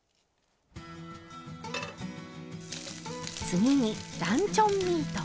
次にランチョンミート。